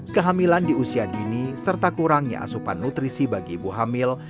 kehamilan di usia dini serta kurangnya asupan nutrisi bagi ibu hamil